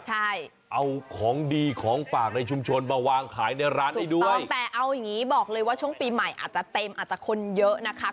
ใช่เอาของดีของฝากในชุมชนมาวางขายในร้านให้ด้วยแต่เอาอย่างงี้บอกเลยว่าช่วงปีใหม่อาจจะเต็มอาจจะคนเยอะนะคะ